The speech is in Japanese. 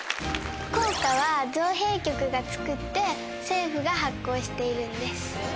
硬貨は造幣局が造って政府が発行しているんです。